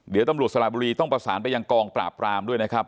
เดี๋ยวตำรวจสละบุรีต้องประสานไปยังกองปราบปรามด้วยนะครับ